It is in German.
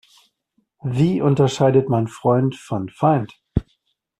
Wie unterscheidet man Freund von Feind?